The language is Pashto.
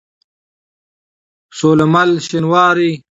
سوله مل شينوارى